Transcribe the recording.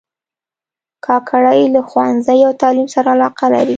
کاکړي له ښوونځي او تعلیم سره علاقه لري.